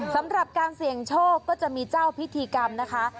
สำหรับการเสี่ยงโชคก็จะมีเจ้าพิธีกรรมนะคะ